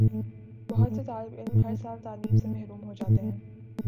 بہت سے طالب علم ہر سال تعلیم سے محروم ہو جاتے ہیں